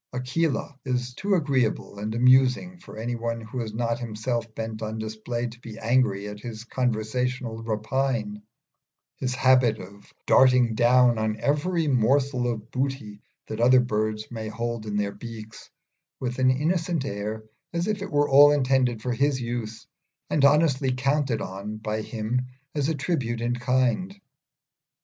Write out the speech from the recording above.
Aquila is too agreeable and amusing for any one who is not himself bent on display to be angry at his conversational rapine his habit of darting down on every morsel of booty that other birds may hold in their beaks, with an innocent air, as if it were all intended for his use, and honestly counted on by him as a tribute in kind.